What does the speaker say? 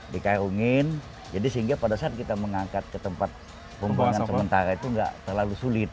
di karungin jadi sehingga pada saat kita mengangkat ke tempat pembangunan sementara itu nggak terlalu sulit